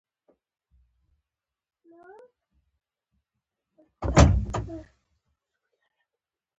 ټکنالوژي د ټولې نړۍ لوی پرمختګ دی.